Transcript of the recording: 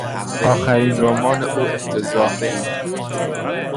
آخرین رمان او افتضاح بود.